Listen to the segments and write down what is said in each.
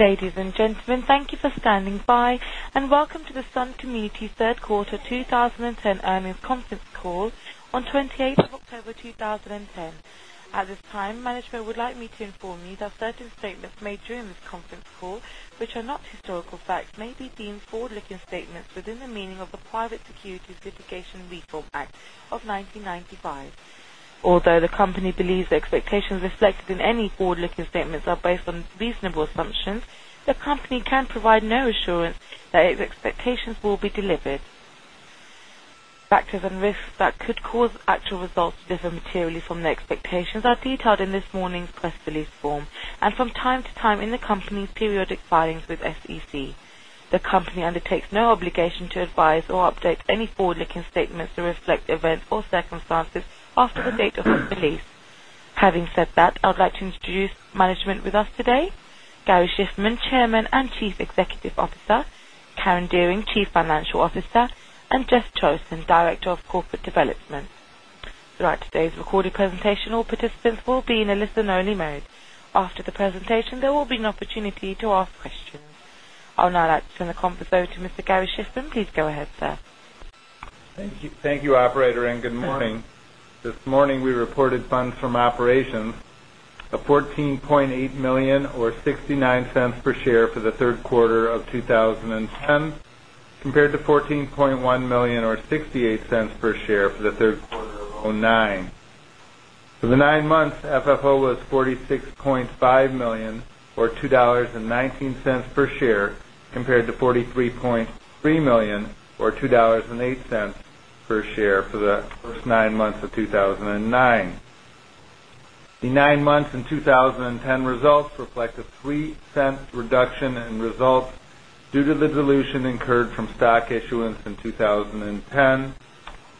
Ladies and gentlemen, thank you for standing by, and welcome to the Sun Communities Third Quarter 2010 earnings conference call on 28 October 2010. At this time, management would like me to inform you that certain statements made during this conference call, which are not historical facts, may be deemed forward-looking statements within the meaning of the Private Securities Litigation Reform Act of 1995. Although the company believes the expectations reflected in any forward-looking statements are based on reasonable assumptions, the company can provide no assurance that its expectations will be delivered. Factors and risks that could cause actual results to differ materially from the expectations are detailed in this morning's press release form and from time to time in the company's periodic filings with SEC. The company undertakes no obligation to advise or update any forward-looking statements to reflect events or circumstances after the date of its release. Having said that, I would like to introduce management with us today: Gary Shiffman, Chairman and Chief Executive Officer, Karen Dearing, Chief Financial Officer, and Jeffrey P. Shoemaker, Director of Corporate Development. Throughout today's recorded presentation, all participants will be in a listen-only mode. After the presentation, there will be an opportunity to ask questions. I would now like to turn the conference over to Mr. Gary Shiffman. Please go ahead, sir. Thank you, Operator, and good morning. This morning we reported funds from operations of $14.8 million or $0.69 per share for the third quarter of 2010, compared to $14.1 million or $0.68 per share for the third quarter of 2009. For the nine months, FFO was $46.5 million or $2.19 per share, compared to $43.3 million or $2.08 per share for the first nine months of 2009. The nine months in 2010 results reflect a $0.03 reduction in results due to the dilution incurred from stock issuance in 2010.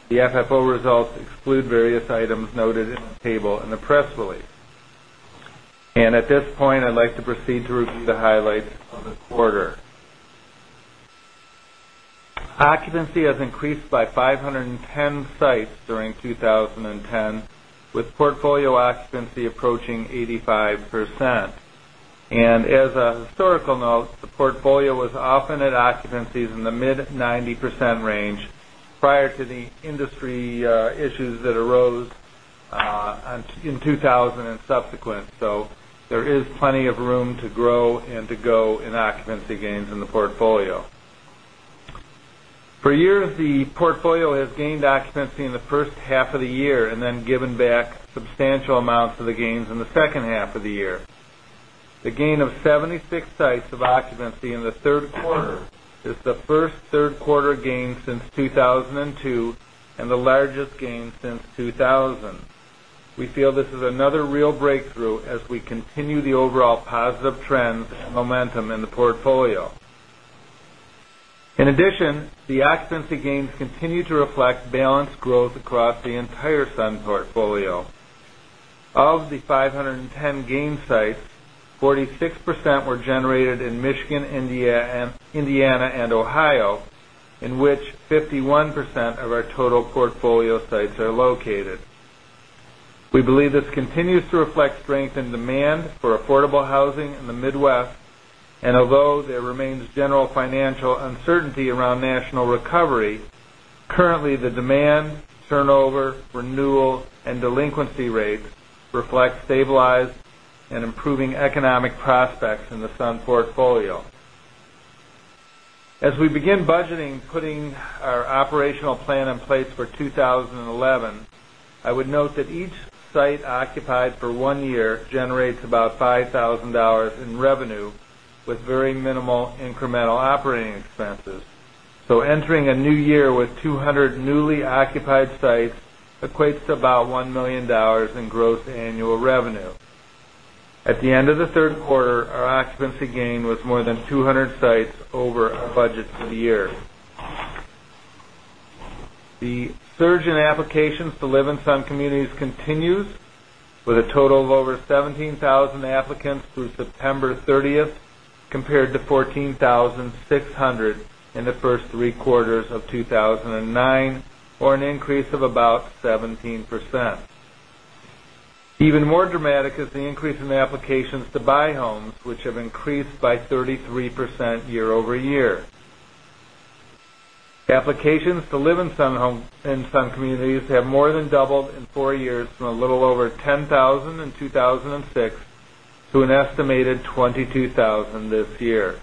The FFO results exclude various items noted in the table and the press release. At this point, I'd like to proceed to review the highlights of the quarter. Occupancy has increased by 510 sites during 2010, with portfolio occupancy approaching 85%. As a historical note, the portfolio was often at occupancies in the mid-90% range prior to the industry issues that arose in 2000 and subsequent. There is plenty of room to grow and to go in occupancy gains in the portfolio. For years, the portfolio has gained occupancy in the first half of the year and then given back substantial amounts of the gains in the second half of the year. The gain of 76 sites of occupancy in the third quarter is the first third quarter gain since 2002 and the largest gain since 2000. We feel this is another real breakthrough as we continue the overall positive trend and momentum in the portfolio. In addition, the occupancy gains continue to reflect balanced growth across the entire Sun portfolio. Of the 510 gain sites, 46% were generated in Michigan, Indiana, and Ohio, in which 51% of our total portfolio sites are located. We believe this continues to reflect strength in demand for affordable housing in the Midwest, and although there remains general financial uncertainty around national recovery, currently the demand, turnover, renewal, and delinquency rates reflect stabilized and improving economic prospects in the Sun portfolio. As we begin budgeting, putting our operational plan in place for 2011, I would note that each site occupied for one year generates about $5,000 in revenue with very minimal incremental operating expenses. So entering a new year with 200 newly occupied sites equates to about $1 million in gross annual revenue. At the end of the third quarter, our occupancy gain was more than 200 sites over our budget for the year. The surge in applications to live in Sun Communities continues, with a total of over 17,000 applicants through September 30th, compared to 14,600 in the first three quarters of 2009, or an increase of about 17%. Even more dramatic is the increase in applications to buy homes, which have increased by 33% year-over-year. Applications to live in Sun Communities have more than doubled in four years from a little over 10,000 in 2006 to an estimated 22,000 this year.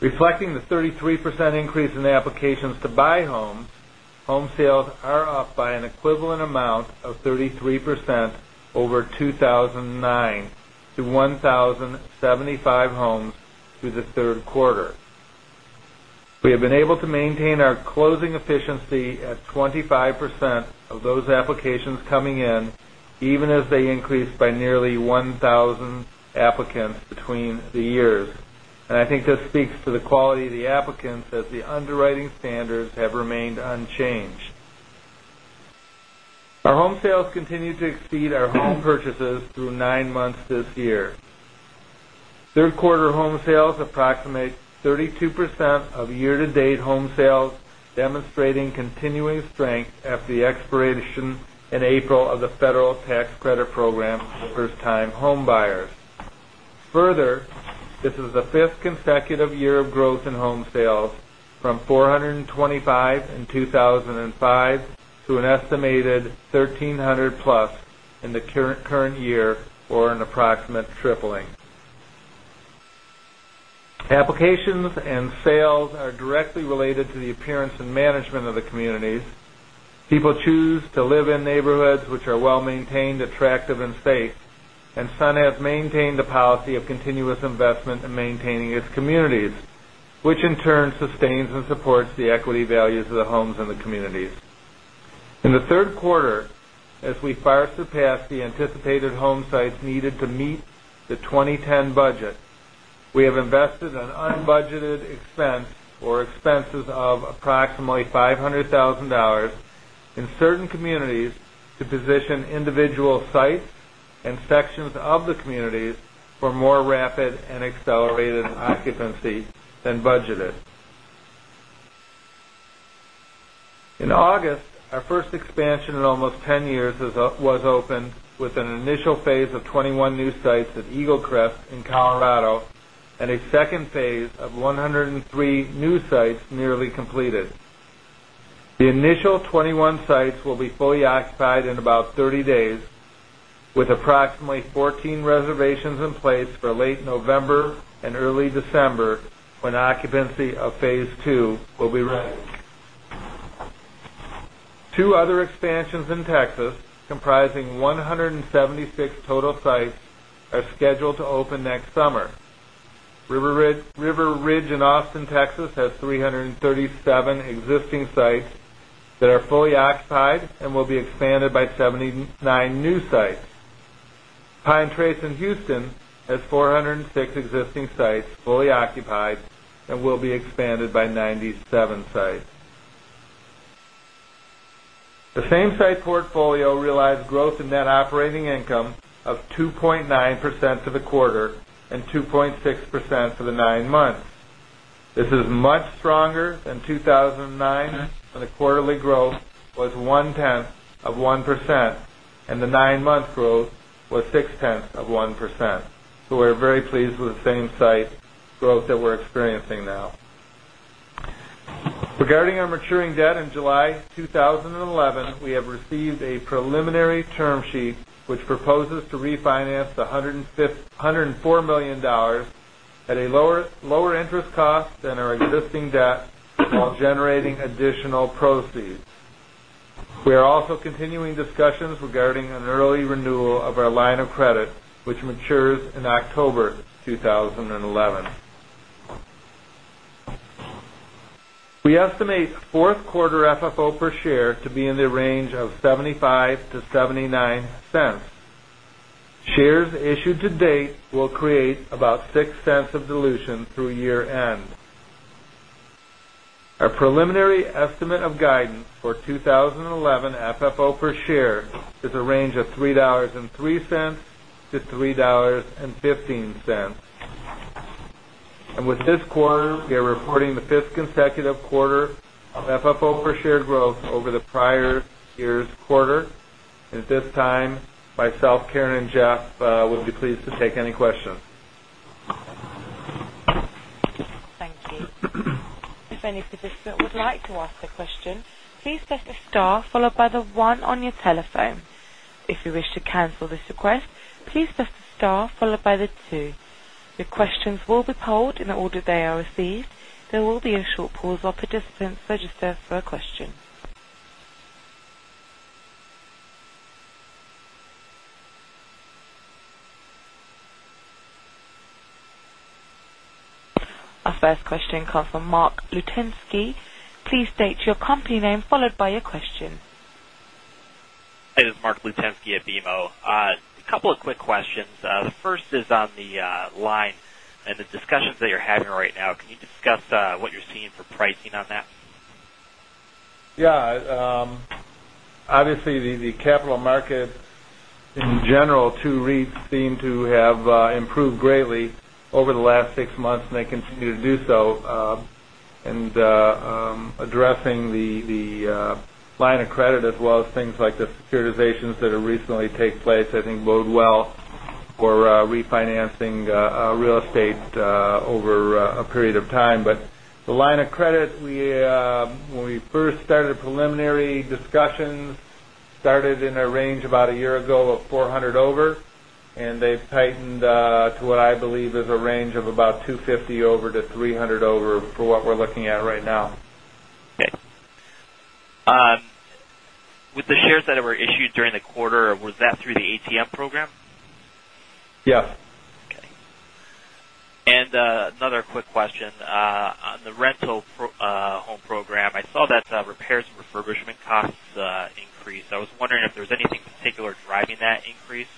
Reflecting the 33% increase in applications to buy homes, home sales are up by an equivalent amount of 33% over 2009 to 1,075 homes through the third quarter. We have been able to maintain our closing efficiency at 25% of those applications coming in, even as they increased by nearly 1,000 applicants between the years. I think this speaks to the quality of the applicants as the underwriting standards have remained unchanged. Our home sales continue to exceed our home purchases through nine months this year. Third quarter home sales approximate 32% of year-to-date home sales, demonstrating continuing strength after the expiration in April of the federal tax credit program for first-time home buyers. Further, this is the fifth consecutive year of growth in home sales, from 425 in 2005 to an estimated 1,300+ in the current year, or an approximate tripling. Applications and sales are directly related to the appearance and management of the communities. People choose to live in neighborhoods which are well-maintained, attractive, and safe, and Sun has maintained a policy of continuous investment in maintaining its communities, which in turn sustains and supports the equity values of the homes in the communities. In the third quarter, as we far surpassed the anticipated home sites needed to meet the 2010 budget, we have invested an unbudgeted expense or expenses of approximately $500,000 in certain communities to position individual sites and sections of the communities for more rapid and accelerated occupancy than budgeted. In August, our first expansion in almost 10 years was opened with an initial phase of 21 new sites at Eagle Crest in Colorado and a second phase of 103 new sites nearly completed. The initial 21 sites will be fully occupied in about 30 days, with approximately 14 reservations in place for late November and early December when occupancy of phase two will be ready. Two other expansions in Texas, comprising 176 total sites, are scheduled to open next summer. River Ridge in Austin, Texas, has 337 existing sites that are fully occupied and will be expanded by 79 new sites. Pine Trace in Houston has 406 existing sites fully occupied and will be expanded by 97 sites. The Same Site portfolio realized growth in net operating income of 2.9% for the quarter and 2.6% for the nine months. This is much stronger than 2009, when the quarterly growth was 0.1%, and the nine-month growth was 0.6%. So we're very pleased with the same site growth that we're experiencing now. Regarding our maturing debt in July 2011, we have received a preliminary term sheet which proposes to refinance $104 million at a lower interest cost than our existing debt while generating additional proceeds. We are also continuing discussions regarding an early renewal of our line of credit, which matures in October 2011. We estimate fourth quarter FFO per share to be in the range of $0.75-$0.79. Shares issued to date will create about $0.06 of dilution through year-end. Our preliminary estimate of guidance for 2011 FFO per share is a range of $3.03-$3.15. And with this quarter, we are reporting the fifth consecutive quarter of FFO per share growth over the prior year's quarter. At this time, myself, Karen, and Jeff would be pleased to take any questions. Thank you. If any participant would like to ask a question, please press the star followed by the one on your telephone. If you wish to cancel this request, please press the star followed by the two. Your questions will be polled in the order they are received. There will be a short pause while participants register for a question. Our first question comes from Mark Almeida. Please state your company name followed by your question. Hey, this is Mark at BMO. A couple of quick questions. The first is on the line and the discussions that you're having right now. Can you discuss what you're seeing for pricing on that? Yeah. Obviously, the capital markets in general for REITs seem to have improved greatly over the last six months, and they continue to do so. Addressing the line of credit as well as things like the securitizations that have recently taken place, I think bode well for refinancing real estate over a period of time. But the line of credit, when we first started preliminary discussions, started in a range about a year ago of 400 over, and they've tightened to what I believe is a range of about 250 over to 300 over for what we're looking at right now. Okay. With the shares that were issued during the quarter, was that through the ATM Program? Yes. Okay. And another quick question. On the rental home program, I saw that repairs and refurbishment costs increased. I was wondering if there was anything particular driving that increase,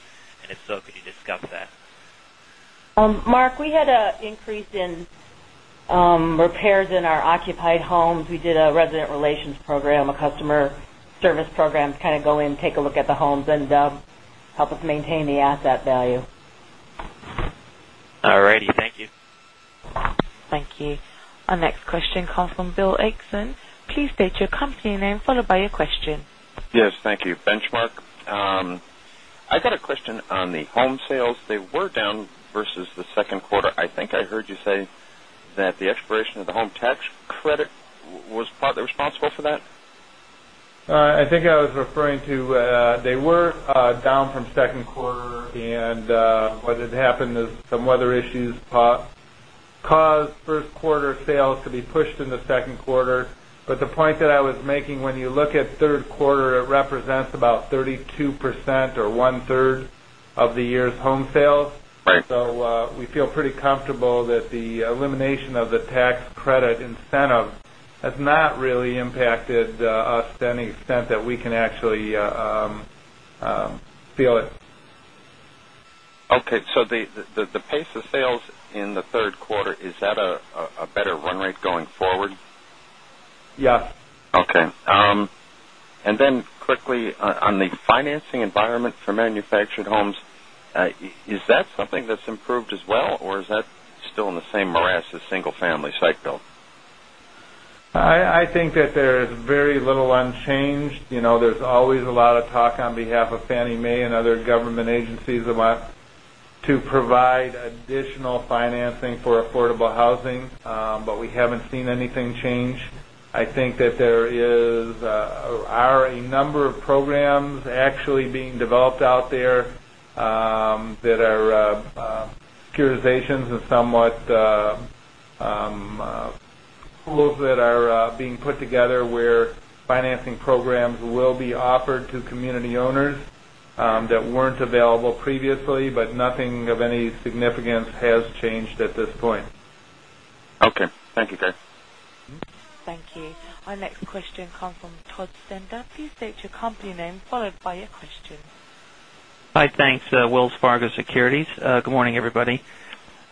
and if so, could you discuss that? Mark, we had an increase in repairs in our occupied homes. We did a resident relations program, a customer service program, to kind of go in, take a look at the homes, and help us maintain the asset value. All righty. Thank you. Thank you. Our next question comes from Bill Sutherland Please state your company name followed by your question. Yes, thank you. Benchmark. I got a question on the home sales. They were down versus the second quarter. I think I heard you say that the expiration of the home tax credit was partly responsible for that. I think I was referring to they were down from second quarter, and what had happened is some weather issues caused first quarter sales to be pushed in the second quarter. But the point that I was making, when you look at third quarter, it represents about 32% or one-third of the year's home sales. So we feel pretty comfortable that the elimination of the tax credit incentive has not really impacted us to any extent that we can actually feel it. Okay. So the pace of sales in the third quarter, is that a better run rate going forward? Yes. Okay. And then quickly, on the financing environment for manufactured homes, is that something that's improved as well, or is that still in the same morass as single-family site build? I think that there is very little unchanged. There's always a lot of talk on behalf of Fannie Mae and other government agencies about to provide additional financing for affordable housing, but we haven't seen anything change. I think that there are a number of programs actually being developed out there that are securitizations and somewhat tools that are being put together where financing programs will be offered to community owners that weren't available previously, but nothing of any significance has changed at this point. Okay. Thank you, Gary. Thank you. Our next question comes from Todd Stender. Please state your company name followed by your question. Hi, thanks. Wells Fargo Securities. Good morning, everybody.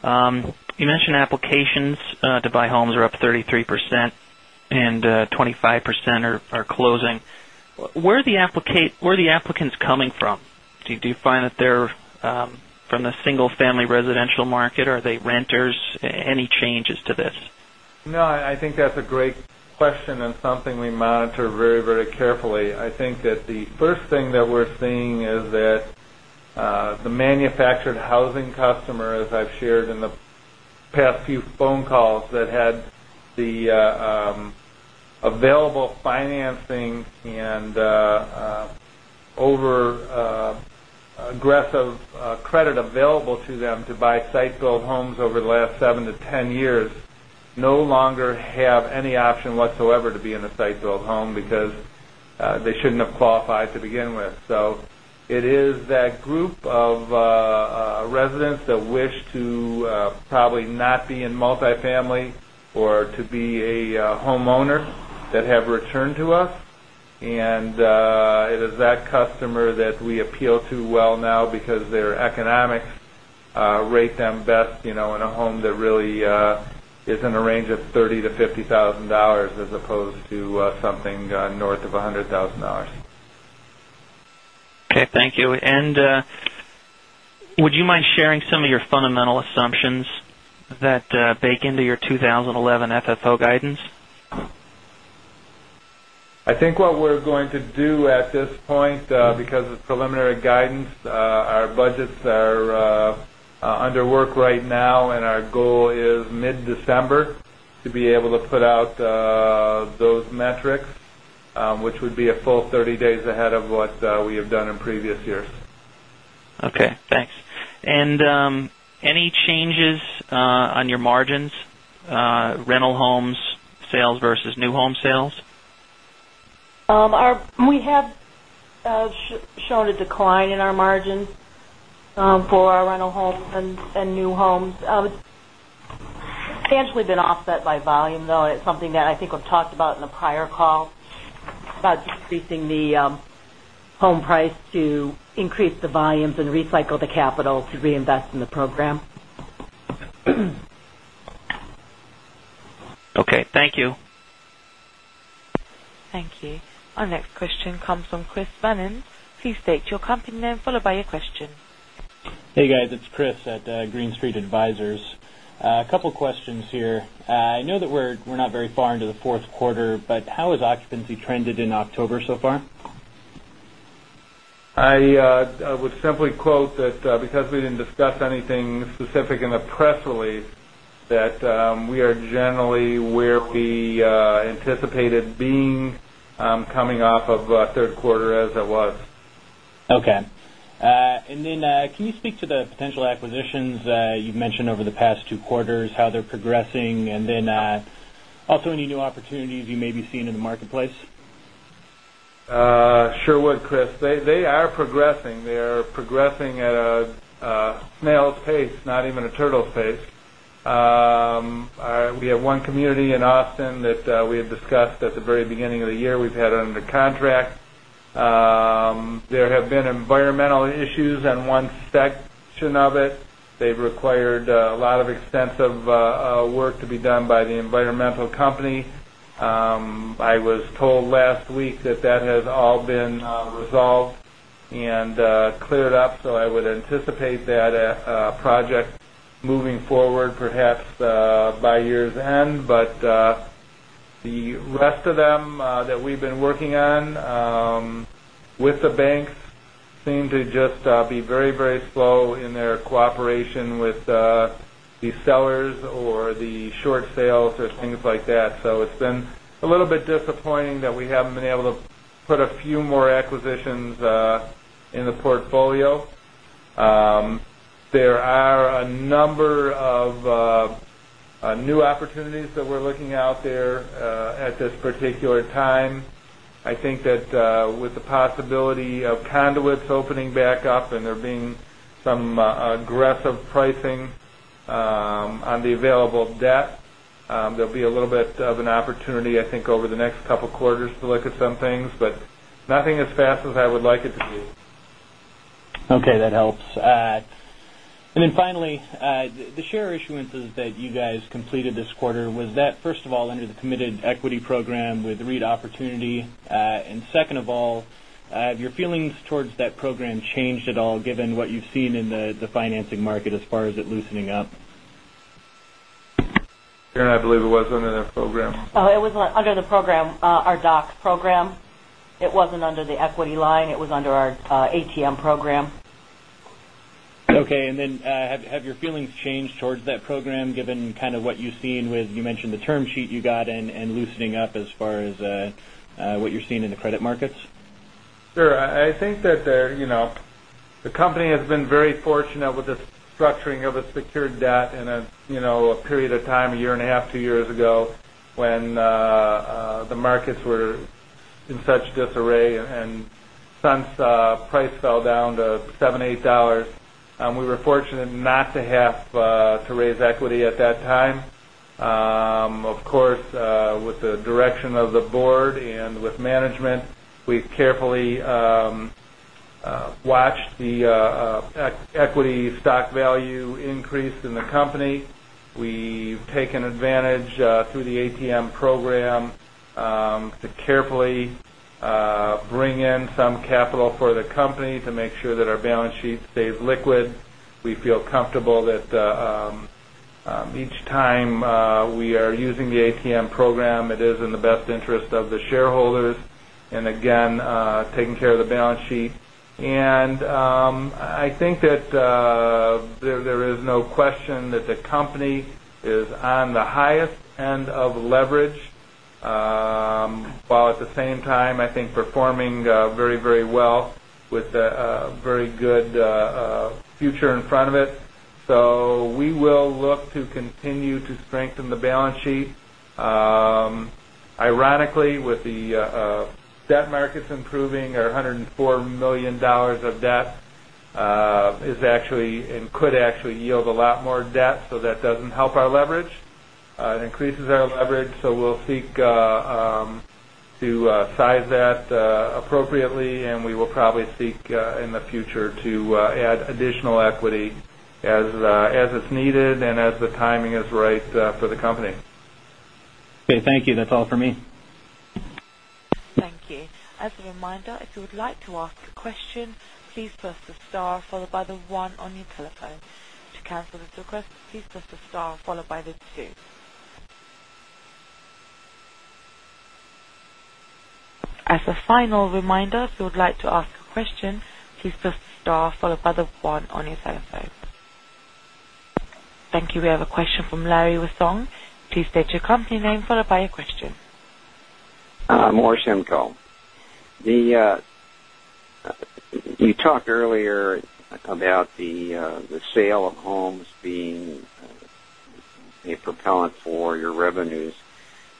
You mentioned applications to buy homes are up 33%, and 25% are closing. Where are the applicants coming from? Do you find that they're from the single-family residential market, or are they renters? Any changes to this? No, I think that's a great question and something we monitor very, very carefully. I think that the first thing that we're seeing is that the manufactured housing customers, as I've shared in the past few phone calls, that had the available financing and over-aggressive credit available to them to buy site-built homes over the last 7-10 years no longer have any option whatsoever to be in a site-built home because they shouldn't have qualified to begin with. So it is that group of residents that wish to probably not be in multifamily or to be a homeowner that have returned to us. And it is that customer that we appeal to well now because their economics rate them best in a home that really is in a range of $30,000-$50,000 as opposed to something north of $100,000. Okay. Thank you. Would you mind sharing some of your fundamental assumptions that bake into your 2011 FFO guidance? I think what we're going to do at this point, because of preliminary guidance, our budgets are underway right now, and our goal is mid-December to be able to put out those metrics, which would be a full 30 days ahead of what we have done in previous years. Okay. Thanks. Any changes on your margins, rental homes sales versus new home sales? We have shown a decline in our margins for our rental homes and new homes. It's potentially been offset by volume, though, and it's something that I think we've talked about in a prior call about decreasing the home price to increase the volumes and recycle the capital to reinvest in the program. Okay. Thank you. Thank you. Our next question comes from Chris Darling. Please state your company name followed by your question. Hey, guys. It's Chris at Green Street Advisors. A couple of questions here. I know that we're not very far into the fourth quarter, but how has occupancy trended in October so far? I would simply quote that because we didn't discuss anything specific in the press release, that we are generally where we anticipated being coming off of third quarter as it was. Okay. And then can you speak to the potential acquisitions you've mentioned over the past two quarters, how they're progressing, and then also any new opportunities you may be seeing in the marketplace? Sure would, Chris. They are progressing. They are progressing at a snail's pace, not even a turtle's pace. We have one community in Austin that we had discussed at the very beginning of the year. We've had it under contract. There have been environmental issues on one section of it. They've required a lot of extensive work to be done by the environmental company. I was told last week that that has all been resolved and cleared up, so I would anticipate that project moving forward perhaps by year's end. But the rest of them that we've been working on with the banks seem to just be very, very slow in their cooperation with the sellers or the short sales or things like that. So it's been a little bit disappointing that we haven't been able to put a few more acquisitions in the portfolio. There are a number of new opportunities that we're looking out there at this particular time. I think that with the possibility of conduits opening back up and there being some aggressive pricing on the available debt, there'll be a little bit of an opportunity, I think, over the next couple of quarters to look at some things, but nothing as fast as I would like it to be. Okay. That helps. And then finally, the share issuance that you guys completed this quarter, was that, first of all, under the committed equity program with REIT Opportunity? And second of all, have your feelings towards that program changed at all given what you've seen in the financing market as far as it loosening up? Karen, I believe it was under that program. Oh, it was under the program, our DOC program. It wasn't under the equity line. It was under our ATM program. Okay. And then have your feelings changed towards that program given kind of what you've seen with, you mentioned, the term sheet you got and loosening up as far as what you're seeing in the credit markets? Sure. I think that the company has been very fortunate with the structuring of a secured debt in a period of time, a year and a half, 2 years ago when the markets were in such disarray, and since price fell down to $7, $8, we were fortunate not to have to raise equity at that time. Of course, with the direction of the board and with management, we carefully watched the equity stock value increase in the company. We've taken advantage through the ATM program to carefully bring in some capital for the company to make sure that our balance sheet stays liquid. We feel comfortable that each time we are using the ATM program, it is in the best interest of the shareholders and, again, taking care of the balance sheet. I think that there is no question that the company is on the highest end of leverage, while at the same time, I think, performing very, very well with a very good future in front of it. So we will look to continue to strengthen the balance sheet. Ironically, with the debt markets improving, our $104 million of debt is actually and could actually yield a lot more debt, so that doesn't help our leverage. It increases our leverage, so we'll seek to size that appropriately, and we will probably seek in the future to add additional equity as it's needed and as the timing is right for the company. Okay. Thank you. That's all for me. Thank you. As a reminder, if you would like to ask a question, please press the star followed by the one on your telephone. To cancel this request, please press the star followed by the two. As a final reminder, if you would like to ask a question, please press the star followed by the one on your telephone. Thank you. We have a question from Larry Wissong. Please state your company name followed by your question. I'm Larry Wissong. You talked earlier about the sale of homes being a propellant for your revenues.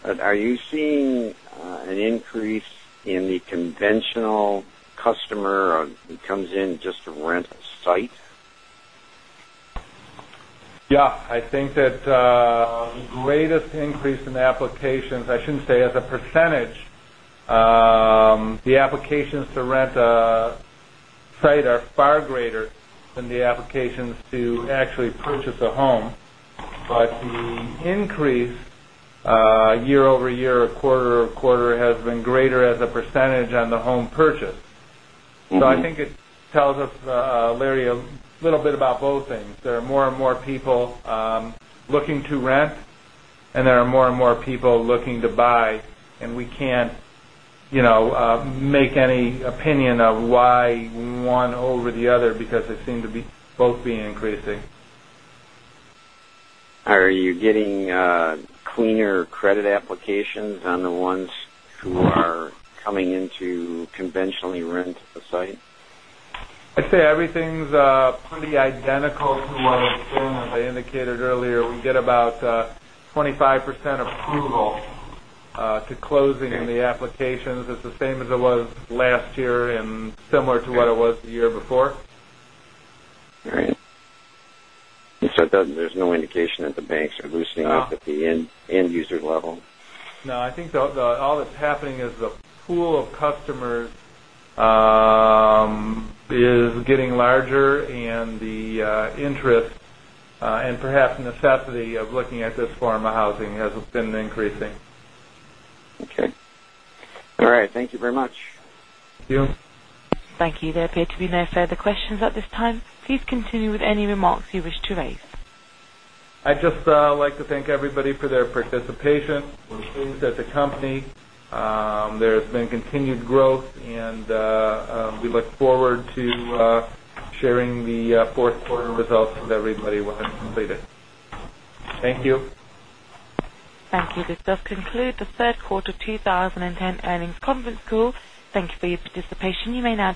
Are you seeing an increase in the conventional customer who comes in just to rent a site? Yeah. I think that the greatest increase in applications, I shouldn't say as a percentage, the applications to rent a site are far greater than the applications to actually purchase a home. But the increase year-over-year, quarter-over-quarter, has been greater as a percentage on the home purchase. So I think it tells us, Larry, a little bit about both things. There are more and more people looking to rent, and there are more and more people looking to buy, and we can't make any opinion of why one over the other because they seem to be both being increasing. Are you getting cleaner credit applications on the ones who are coming in to conventionally rent a site? I'd say everything's pretty identical to what it's been. As I indicated earlier, we get about 25% approval to closing the applications. It's the same as it was last year and similar to what it was the year before. All right. You said there's no indication that the banks are loosening up at the end-user level? No. I think all that's happening is the pool of customers is getting larger, and the interest and perhaps necessity of looking at this form of housing has been increasing. Okay. All right. Thank you very much. Thank you. Thank you. There appear to be no further questions at this time. Please continue with any remarks you wish to raise. I'd just like to thank everybody for their participation. We're pleased that the company. There's been continued growth, and we look forward to sharing the fourth quarter results with everybody once it's completed. Thank you. Thank you. This does conclude the third quarter 2010 earnings conference call. Thank you for your participation. You may now.